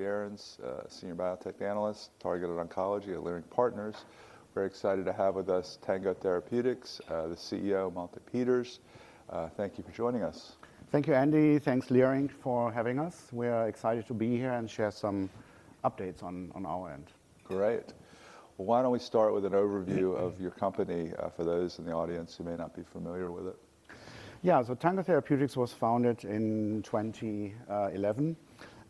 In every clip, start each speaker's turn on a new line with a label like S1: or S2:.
S1: Andrew Berens, Senior Research Analyst, Targeted Oncology at Leerink Partners. Very excited to have with us Tango Therapeutics, the CEO, Malte Peters. Thank you for joining us.
S2: Thank you, Andy. Thanks, Leerink, for having us. We are excited to be here and share some updates on our end.
S1: Great. Well, why don't we start with an overview of your company, for those in the audience who may not be familiar with it?
S2: Yeah. Tango Therapeutics was founded in 2011.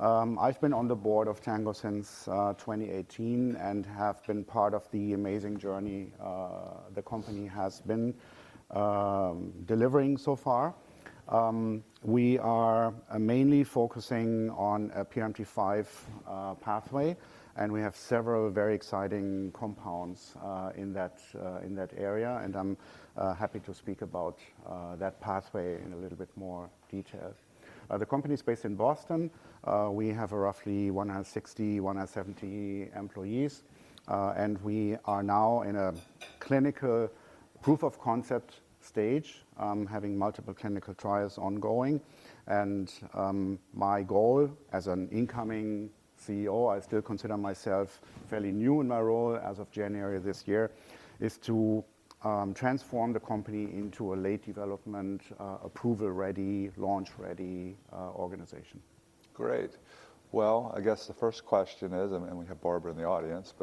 S2: I've been on the board of Tango since 2018 and have been part of the amazing journey the company has been delivering so far. We are mainly focusing on a PRMT5 pathway, and we have several very exciting compounds in that area, and I'm happy to speak about that pathway in a little bit more detail. The company's based in Boston. We have roughly 160-170 employees, and we are now in a clinical proof of concept stage, having multiple clinical trials ongoing. My goal as an incoming CEO, I still consider myself fairly new in my role as of January this year, is to transform the company into a late development, approval-ready, launch-ready, organization.
S1: Great. Well, I guess the first question is, and we have Barbara in the audience.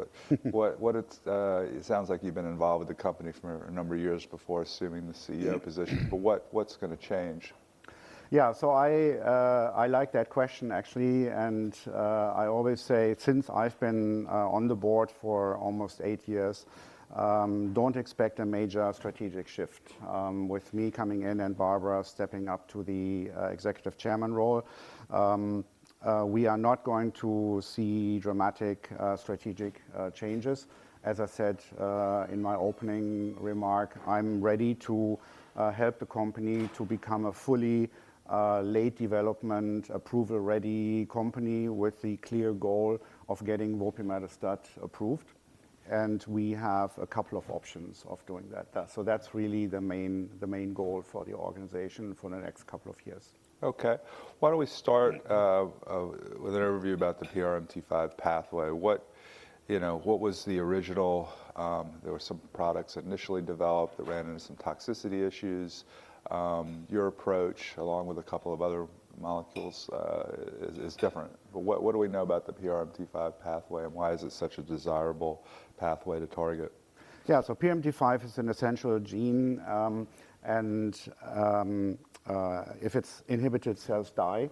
S1: What is it? It sounds like you've been involved with the company for a number of years before assuming the CEO position.
S2: Yeah.
S1: What, what's gonna change?
S2: Yeah. I like that question actually, and I always say, since I've been on the board for almost eight years, don't expect a major strategic shift with me coming in and Barbara stepping up to the executive chairman role. We are not going to see dramatic strategic changes. As I said in my opening remark, I'm ready to help the company to become a fully late development, approval-ready company with the clear goal of getting vopimetostat approved, and we have a couple of options of doing that. That's really the main goal for the organization for the next couple of years.
S1: Okay. Why don't we start with an overview about the PRMT5 pathway? There were some products initially developed that ran into some toxicity issues. Your approach, along with a couple of other molecules, is different. What do we know about the PRMT5 pathway, and why is it such a desirable pathway to target?
S2: Yeah. PRMT5 is an essential gene, and if it's inhibited, cells die.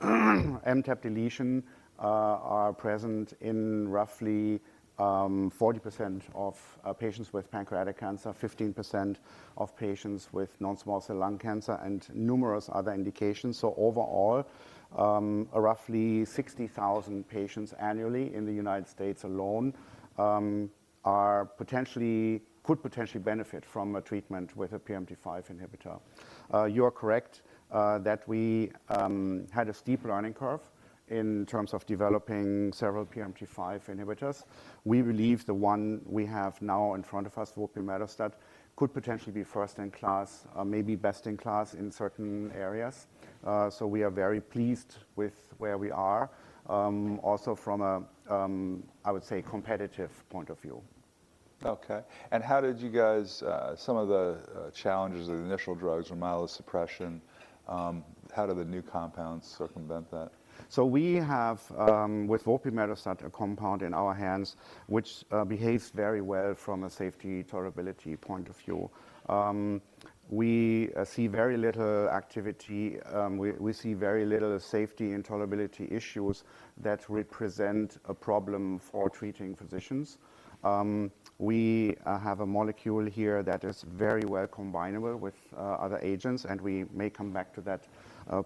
S2: MTAP deletion are present in roughly 40% of patients with pancreatic cancer, 15% of patients with non-small cell lung cancer, and numerous other indications. Overall, roughly 60,000 patients annually in the United States alone could potentially benefit from a treatment with a PRMT5 inhibitor. You're correct that we had a steep learning curve in terms of developing several PRMT5 inhibitors. We believe the one we have now in front of us, vopimetostat, could potentially be first in class, maybe best in class in certain areas. We are very pleased with where we are, also from a I would say, competitive point of view.
S1: Okay. Some of the challenges of the initial drugs were myelosuppression. How do the new compounds circumvent that?
S2: We have with vopimetostat, a compound in our hands which behaves very well from a safety tolerability point of view. We see very little activity, we see very little safety and tolerability issues that would present a problem for treating physicians. We have a molecule here that is very well combinable with other agents, and we may come back to that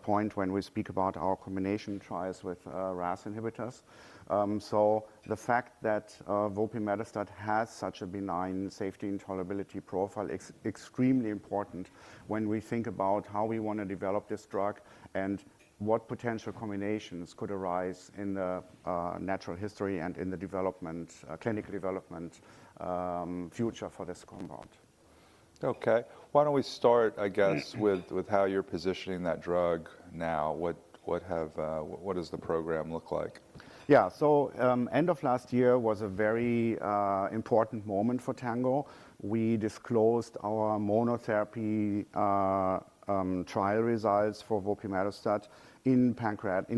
S2: point when we speak about our combination trials with RAS inhibitors. The fact that vopimetostat has such a benign safety and tolerability profile is extremely important when we think about how we wanna develop this drug and what potential combinations could arise in the natural history and in the clinical development future for this compound.
S1: Okay. Why don't we start, I guess, with how you're positioning that drug now? What does the program look like?
S2: Yeah. End of last year was a very important moment for Tango. We disclosed our monotherapy trial results for vopimetostat in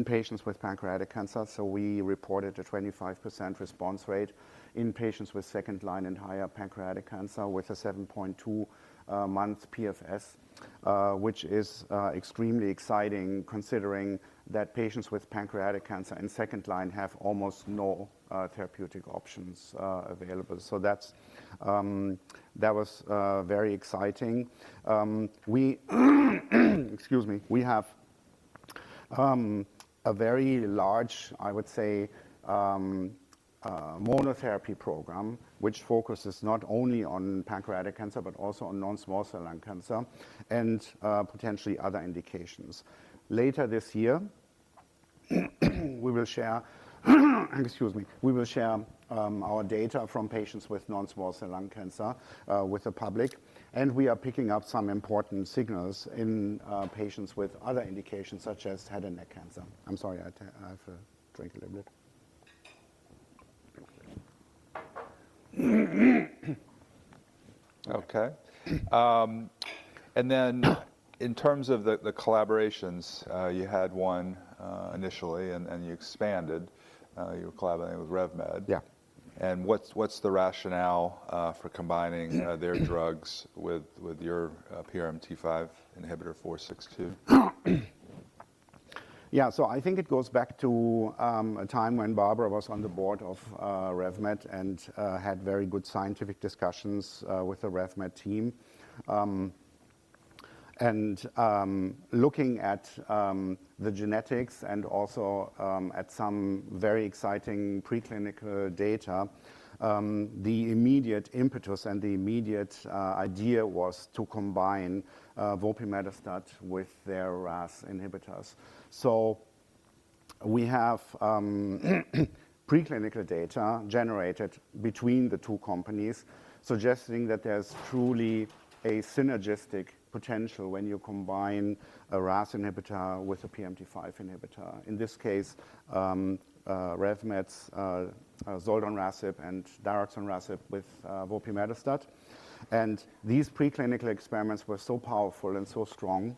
S2: patients with pancreatic cancer. We reported a 25% response rate in patients with second-line and higher pancreatic cancer, with a 7.2-month PFS, which is extremely exciting considering that patients with pancreatic cancer in second line have almost no therapeutic options available. That was very exciting. Excuse me. We have a very large, I would say, monotherapy program which focuses not only on pancreatic cancer but also on non-small cell lung cancer and potentially other indications. Later this year, we will share, excuse me. We will share our data from patients with non-small cell lung cancer with the public, and we are picking up some important signals in patients with other indications such as head and neck cancer. I'm sorry. I have to drink a little bit.
S1: Okay. In terms of the collaborations, you had one initially and you expanded. You were collaborating with RevMed.
S2: Yeah.
S1: What's the rationale for combining their drugs with your PRMT5 inhibitor 462?
S2: Yeah. I think it goes back to a time when Barbara was on the board of RevMed and had very good scientific discussions with the RevMed team. Looking at the genetics and also at some very exciting preclinical data, the immediate impetus and idea was to combine vopimetostat with their RAS inhibitors. We have preclinical data generated between the two companies suggesting that there's truly a synergistic potential when you combine a RAS inhibitor with a PRMT5 inhibitor. In this case, RevMed's zoldonrasib and daraxonrasib with vopimetostat. These preclinical experiments were so powerful and so strong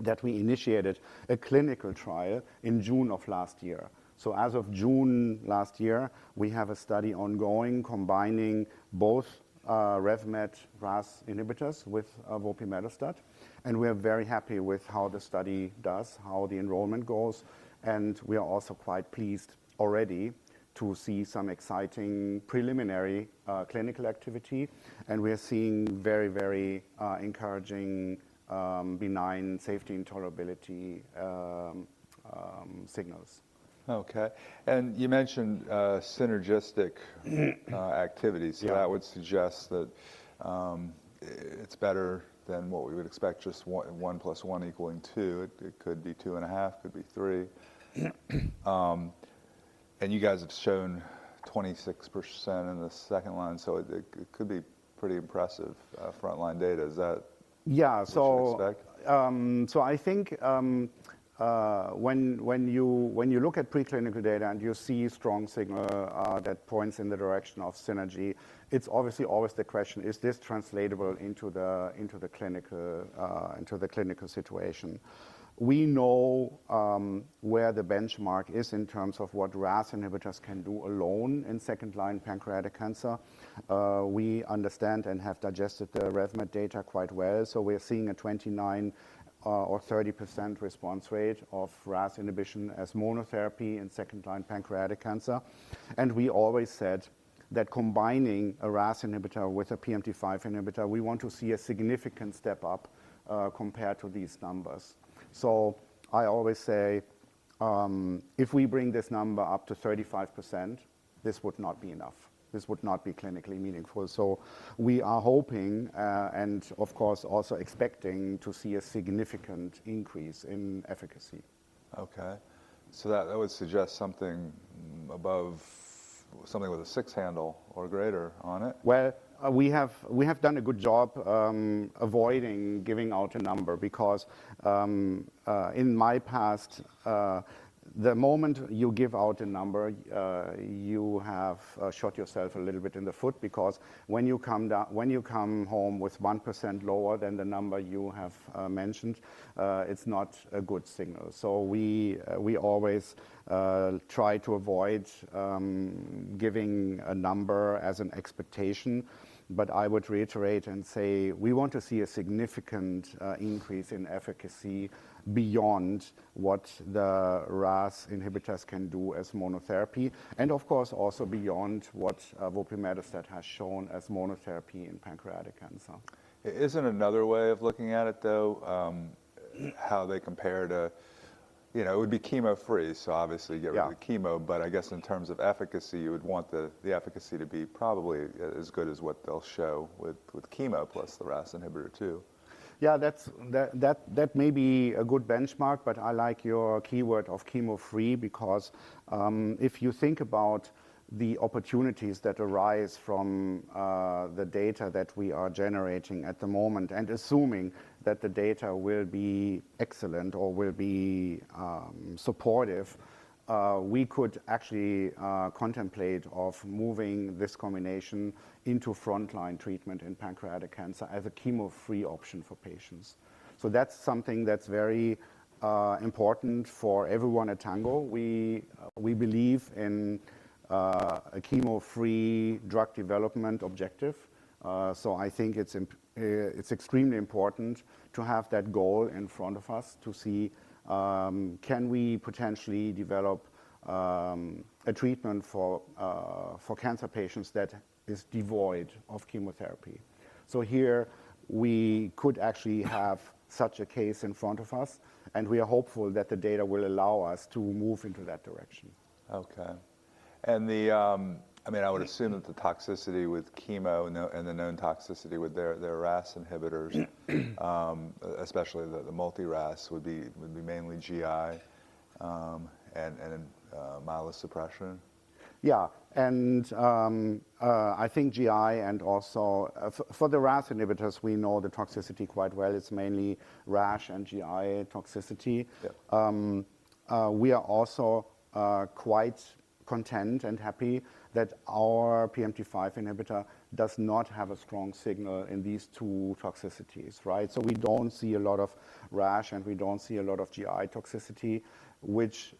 S2: that we initiated a clinical trial in June of last year. As of June last year, we have a study ongoing combining both Revolution Medicines RAS inhibitors with vopimetostat, and we are very happy with how the study does, how the enrollment goes, and we are also quite pleased already to see some exciting preliminary clinical activity. We are seeing very encouraging benign safety and tolerability signals.
S1: Okay. You mentioned synergistic activities.
S2: Yeah.
S1: That would suggest that it's better than what we would expect, just 1 + 1 equaling 2. It could be 2.5, could be 3.
S2: Yeah.
S1: You guys have shown 26% in the second line, so it could be pretty impressive frontline data. Is that?
S2: Yeah.
S1: What you expect?
S2: I think when you look at preclinical data, and you see strong signal that points in the direction of synergy, it's obviously always the question. Is this translatable into the clinical situation? We know where the benchmark is in terms of what RAS inhibitors can do alone in second-line pancreatic cancer. We understand and have digested the RevMed data quite well, so we're seeing a 29 or 30% response rate of RAS inhibition as monotherapy in second-line pancreatic cancer. We always said that combining a RAS inhibitor with a PRMT5 inhibitor, we want to see a significant step up compared to these numbers. I always say if we bring this number up to 35%, this would not be enough. This would not be clinically meaningful. We are hoping, and of course also expecting to see a significant increase in efficacy.
S1: Something with a 6 handle or greater on it.
S2: Well, we have done a good job avoiding giving out a number because in my past, the moment you give out a number, you have shot yourself a little bit in the foot because when you come home with 1% lower than the number you have mentioned, it's not a good signal. We always try to avoid giving a number as an expectation. I would reiterate and say we want to see a significant increase in efficacy beyond what the RAS inhibitors can do as monotherapy and, of course, also beyond what vopimetos has shown as monotherapy in pancreatic cancer.
S1: Is it another way of looking at it, though, how they compare to? You know, it would be chemo-free, so obviously get rid of the chemo.
S2: Yeah.
S1: I guess in terms of efficacy, you would want the efficacy to be probably as good as what they'll show with chemo plus the RAS inhibitor too.
S2: That may be a good benchmark, but I like your keyword of chemo-free because if you think about the opportunities that arise from the data that we are generating at the moment and assuming that the data will be excellent or will be supportive, we could actually contemplate of moving this combination into frontline treatment in pancreatic cancer as a chemo-free option for patients. That's something that's very important for everyone at Tango. We believe in a chemo-free drug development objective, so I think it's extremely important to have that goal in front of us to see can we potentially develop a treatment for cancer patients that is devoid of chemotherapy. Here we could actually have such a case in front of us, and we are hopeful that the data will allow us to move into that direction.
S1: I mean, I would assume that the toxicity with chemo and the known toxicity with their RAS inhibitors, especially the multi-RAS would be mainly GI, and myelosuppression.
S2: Yeah. I think GI and also for the RAS inhibitors, we know the toxicity quite well. It's mainly rash and GI toxicity.
S1: Yep.
S2: We are also quite content and happy that our PRMT5 inhibitor does not have a strong signal in these two toxicities, right? We don't see a lot of rash, and we don't see a lot of GI toxicity, which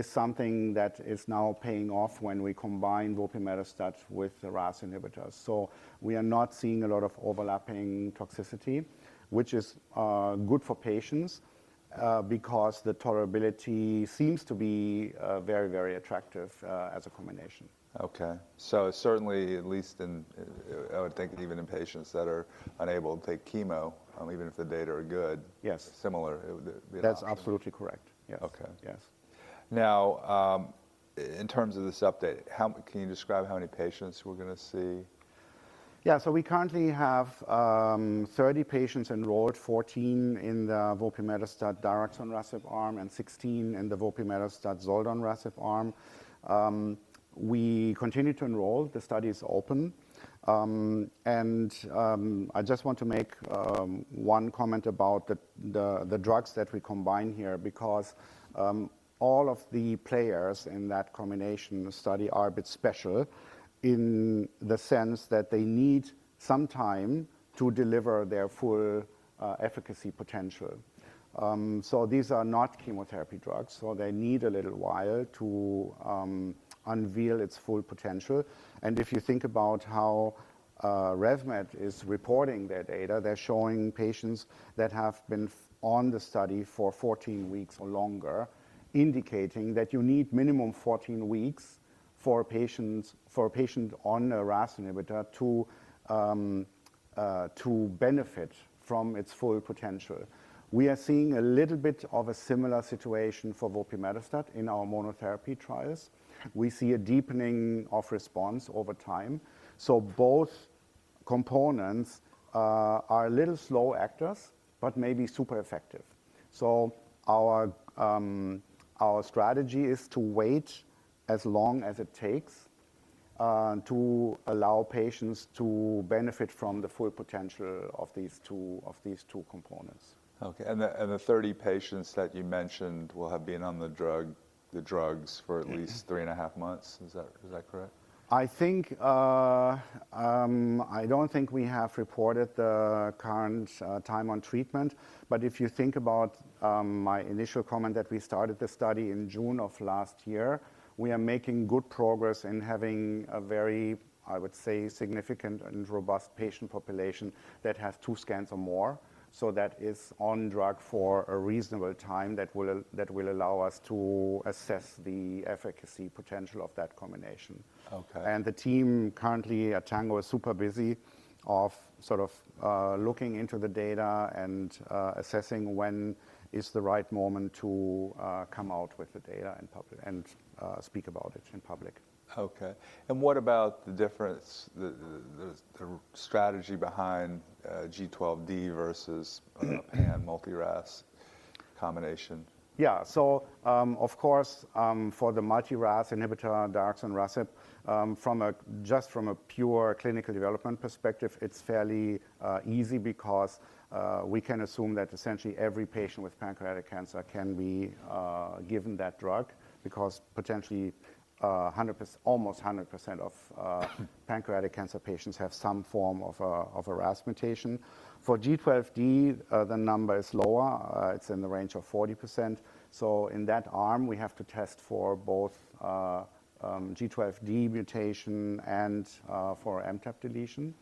S2: is something that is now paying off when we combine vopimetostat with the RAS inhibitors. We are not seeing a lot of overlapping toxicity, which is good for patients because the tolerability seems to be very, very attractive as a combination.
S1: Okay. Certainly, I would think even in patients that are unable to take chemo, even if the data are good.
S2: Yes
S1: Similar, it would be an option.
S2: That's absolutely correct. Yes.
S1: Okay.
S2: Yes.
S1: Now, in terms of this update, how can you describe how many patients we're gonna see?
S2: Yeah. We currently have 30 patients enrolled, 14 in the vopimetostat/daraxonrasib RAS(ON) arm, and 16 in the vopimetostat/zoldonrasib RAS(ON) arm. We continue to enroll. The study is open. I just want to make one comment about the drugs that we combine here because all of the players in that combination study are a bit special in the sense that they need some time to deliver their full efficacy potential. These are not chemotherapy drugs, so they need a little while to unveil its full potential. If you think about how RevMed is reporting their data, they're showing patients that have been on the study for 14 weeks or longer, indicating that you need minimum 14 weeks for patients, for a patient on a RAS inhibitor to benefit from its full potential. We are seeing a little bit of a similar situation for vopimetostat in our monotherapy trials. We see a deepening of response over time. Both components are a little slow actors, but may be super effective. Our strategy is to wait as long as it takes to allow patients to benefit from the full potential of these two, of these two components.
S1: Okay. The 30 patients that you mentioned will have been on the drugs for at least 3.5 months. Is that correct?
S2: I think I don't think we have reported the current time on treatment. If you think about my initial comment that we started the study in June of last year, we are making good progress in having a very, I would say, significant and robust patient population that has two scans or more. That is on drug for a reasonable time that will allow us to assess the efficacy potential of that combination.
S1: Okay.
S2: The team currently at Tango is super busy, sort of, looking into the data and assessing when is the right moment to come out with the data in public and speak about it in public.
S1: Okay. What about the difference, the strategy behind G12D versus and multi-RAS combination?
S2: Yeah. Of course, for the multi-RAS inhibitor, daraxonrasib, from just a pure clinical development perspective, it's fairly easy because we can assume that essentially every patient with pancreatic cancer can be given that drug because potentially 100%, almost 100% of pancreatic cancer patients have some form of a RAS mutation. For G12D, the number is lower. It's in the range of 40%. In that arm, we have to test for both G12D mutation and for MTAP deletion.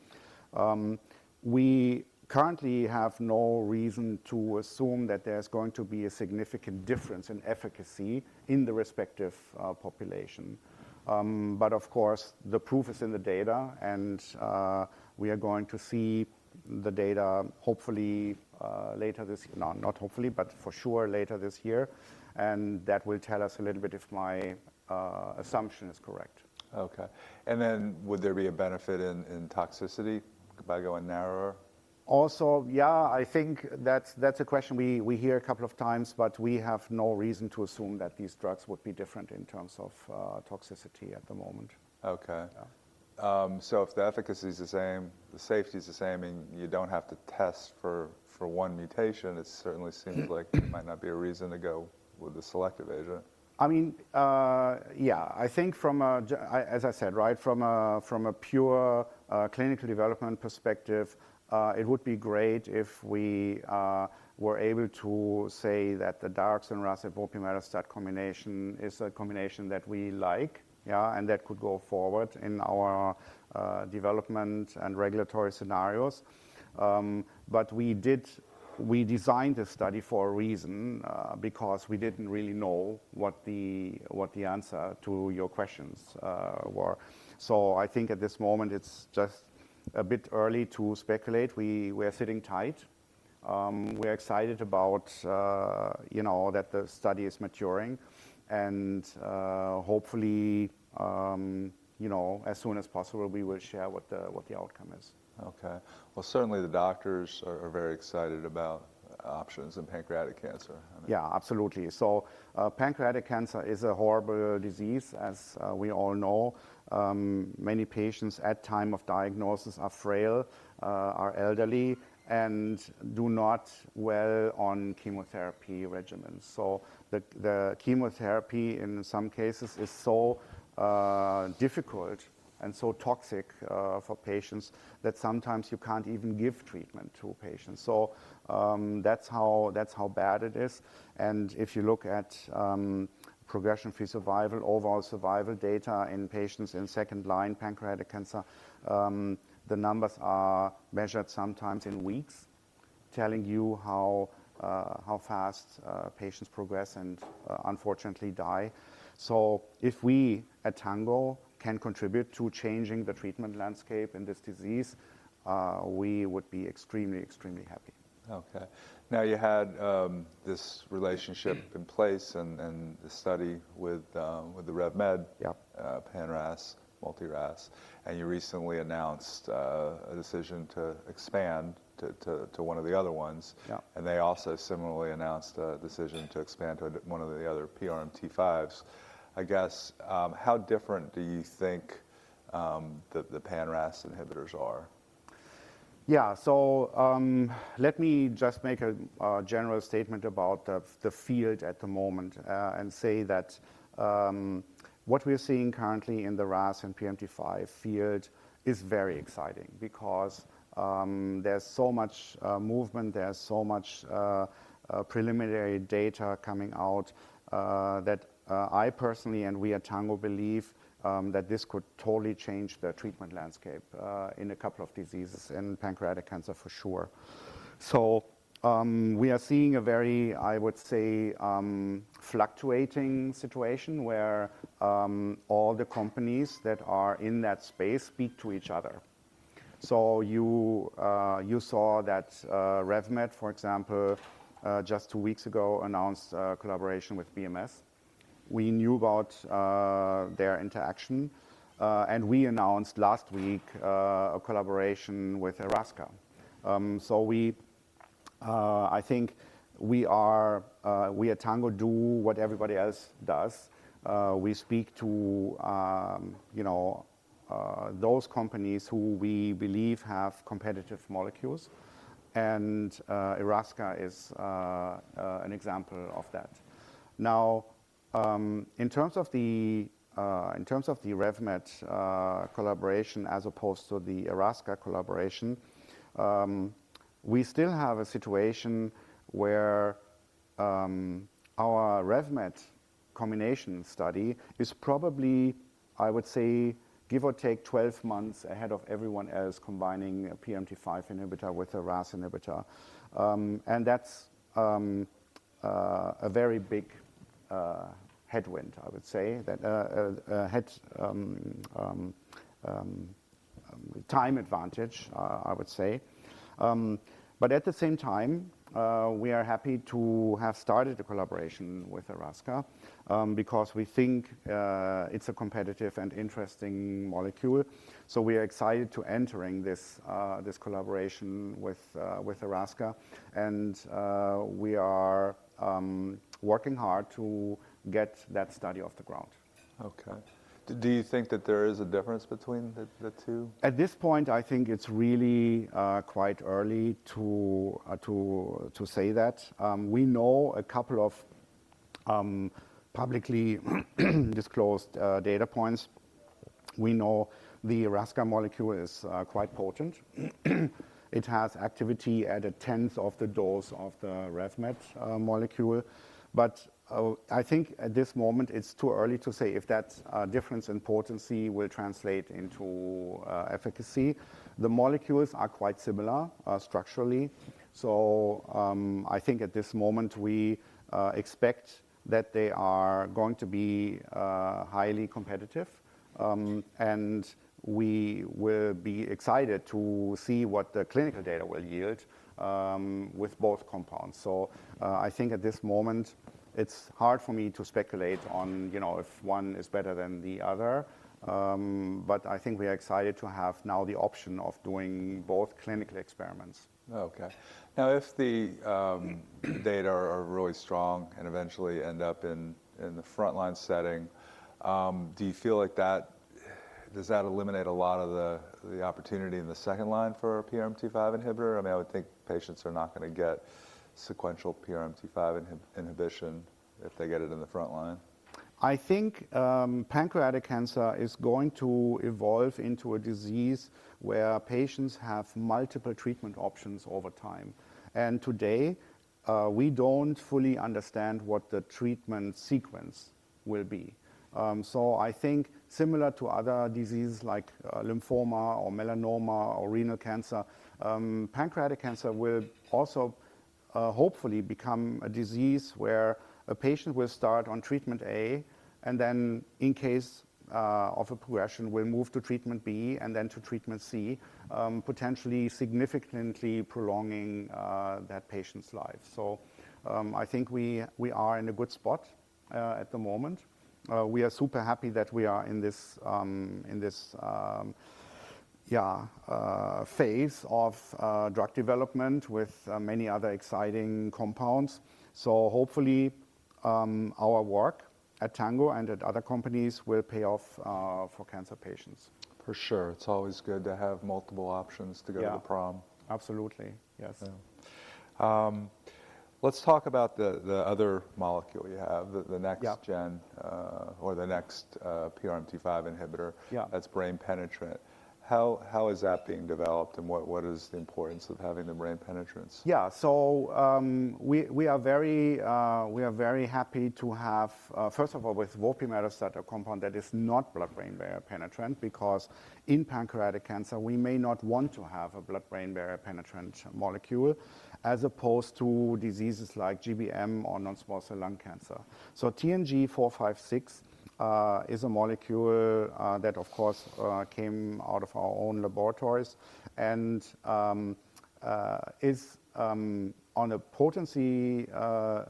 S2: We currently have no reason to assume that there's going to be a significant difference in efficacy in the respective population. Of course, the proof is in the data, and we are going to see the data hopefully later this. No, not hopefully, but for sure later this year. That will tell us a little bit if my assumption is correct.
S1: Okay. Would there be a benefit in toxicity by going narrower?
S2: Also, yeah, I think that's a question we hear a couple of times, but we have no reason to assume that these drugs would be different in terms of toxicity at the moment.
S1: Okay.
S2: Yeah.
S1: If the efficacy is the same, the safety is the same, and you don't have to test for one mutation, it certainly seems like it might not be a reason to go with the selective agent.
S2: I mean, yeah. I think as I said, right, from a pure clinical development perspective, it would be great if we were able to say that the daraxonrasib vopimetostat combination is a combination that we like, yeah, and that could go forward in our development and regulatory scenarios. We designed the study for a reason, because we didn't really know what the answer to your questions were. I think at this moment, it's just a bit early to speculate. We are sitting tight. We're excited about, you know, that the study is maturing, and, hopefully, you know, as soon as possible, we will share what the outcome is.
S1: Okay. Well, certainly the doctors are very excited about options in pancreatic cancer, I mean.
S2: Yeah, absolutely. Pancreatic cancer is a horrible disease, as we all know. Many patients at time of diagnosis are frail, elderly, and do not well on chemotherapy regimens. The chemotherapy in some cases is so difficult and so toxic for patients that sometimes you can't even give treatment to a patient. That's how bad it is. If you look at progression-free survival, overall survival data in patients in second-line pancreatic cancer, the numbers are measured sometimes in weeks, telling you how fast patients progress and unfortunately die. If we at Tango can contribute to changing the treatment landscape in this disease, we would be extremely happy.
S1: Okay. Now, you had this relationship in place and the study with Revolution Medicines.
S2: Yep
S1: pan-RAS, multi-RAS, and you recently announced a decision to expand to one of the other ones.
S2: Yeah.
S1: They also similarly announced a decision to expand to one of the other PRMT5s. I guess, how different do you think the pan-RAS inhibitors are?
S2: Yeah. Let me just make a general statement about the field at the moment and say that what we're seeing currently in the RAS and PRMT5 field is very exciting because there's so much movement, there's so much preliminary data coming out that I personally and we at Tango believe that this could totally change the treatment landscape in a couple of diseases, in pancreatic cancer for sure. We are seeing a very, I would say, fluctuating situation where all the companies that are in that space speak to each other. You saw that RevMed, for example, just two weeks ago announced a collaboration with BMS. We knew about their interaction and we announced last week a collaboration with Erasca. We at Tango do what everybody else does. We speak to you know those companies who we believe have competitive molecules, and Erasca is an example of that. Now in terms of the RevMed collaboration as opposed to the Erasca collaboration, we still have a situation where our RevMed combination study is probably, I would say, give or take 12 months ahead of everyone else combining a PRMT5 inhibitor with a RAS inhibitor. That's a very big head start, I would say, that time advantage, I would say. At the same time, we are happy to have started a collaboration with Erasca, because we think it's a competitive and interesting molecule. We are excited to entering this collaboration with Erasca, and we are working hard to get that study off the ground.
S1: Okay. Do you think that there is a difference between the two?
S2: At this point, I think it's really quite early to say that. We know a couple of publicly disclosed data points. We know the Erasca molecule is quite potent. It has activity at a tenth of the dose of the RevMed molecule. I think at this moment it's too early to say if that difference in potency will translate into efficacy. The molecules are quite similar structurally. I think at this moment we expect that they are going to be highly competitive. We will be excited to see what the clinical data will yield with both compounds. I think at this moment it's hard for me to speculate on, you know, if one is better than the other. I think we are excited to have now the option of doing both clinical experiments.
S1: Okay. Now, if the data are really strong and eventually end up in the front-line setting, does that eliminate a lot of the opportunity in the second line for a PRMT5 inhibitor? I mean, I would think patients are not gonna get sequential PRMT5 inhibition if they get it in the front line.
S2: I think pancreatic cancer is going to evolve into a disease where patients have multiple treatment options over time. Today we don't fully understand what the treatment sequence will be. I think similar to other diseases like lymphoma or melanoma or renal cancer, pancreatic cancer will also hopefully become a disease where a patient will start on treatment A, and then in case of a progression, will move to treatment B and then to treatment C, potentially significantly prolonging that patient's life. I think we are in a good spot at the moment. We are super happy that we are in this phase of drug development with many other exciting compounds. Hopefully, our work at Tango and at other companies will pay off for cancer patients.
S1: For sure. It's always good to have multiple options to go.
S2: Yeah
S1: to the prom.
S2: Absolutely. Yes.
S1: Yeah. Let's talk about the other molecule you have. The next-
S2: Yeah
S1: The next PRMT5 inhibitor.
S2: Yeah
S1: That's brain penetrant. How is that being developed, and what is the importance of having the brain penetrance?
S2: Yeah. We are very happy to have, first of all, with vopimetostat, a compound that is not blood-brain barrier penetrant, because in pancreatic cancer, we may not want to have a blood-brain barrier penetrant molecule as opposed to diseases like GBM or non-small cell lung cancer. TNG456 is a molecule that of course came out of our own laboratories and is on a potency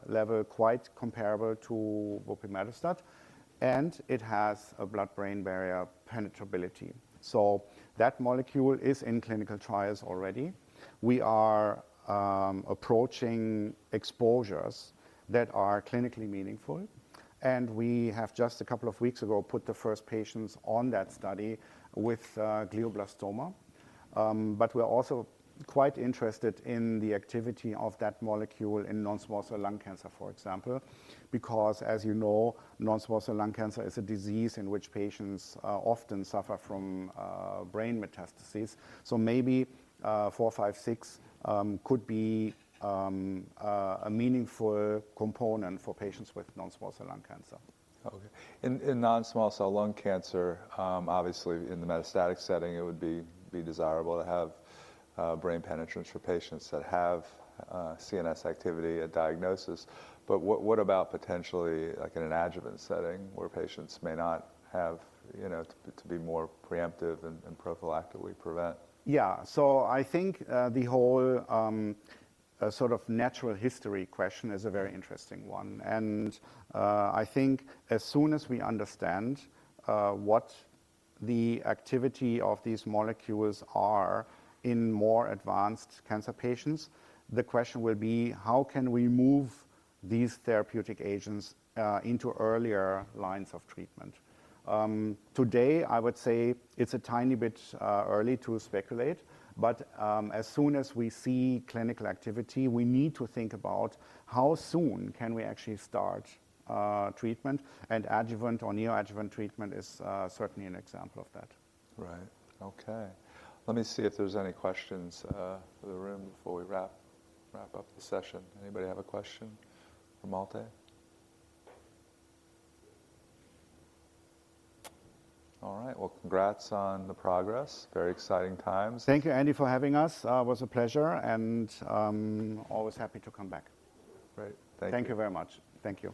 S2: level quite comparable to vopimetostat, and it has a blood-brain barrier penetrability. That molecule is in clinical trials already. We are approaching exposures that are clinically meaningful, and we have just a couple of weeks ago put the first patients on that study with glioblastoma. But we're also quite interested in the activity of that molecule in non-small cell lung cancer, for example. As you know, non-small cell lung cancer is a disease in which patients often suffer from brain metastases. Maybe TNG456 could be a meaningful component for patients with non-small cell lung cancer.
S1: Okay. In non-small cell lung cancer, obviously in the metastatic setting, it would be desirable to have brain penetrance for patients that have CNS activity at diagnosis. What about potentially like in an adjuvant setting where patients may not have, you know, to be more preemptive and prophylactically prevent?
S2: Yeah. I think the whole sort of natural history question is a very interesting one. I think as soon as we understand what the activity of these molecules are in more advanced cancer patients, the question will be how can we move these therapeutic agents into earlier lines of treatment? Today I would say it's a tiny bit early to speculate, but as soon as we see clinical activity, we need to think about how soon can we actually start treatment and adjuvant or neoadjuvant treatment is certainly an example of that.
S1: Right. Okay. Let me see if there's any questions for the room before we wrap up the session. Anybody have a question for Malte? All right. Well, congrats on the progress. Very exciting times.
S2: Thank you, Andy, for having us. It was a pleasure and always happy to come back.
S1: Great. Thank you.
S2: Thank you very much. Thank you.